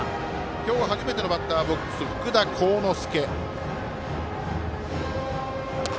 今日初めてのバッターボックス福田幸之介。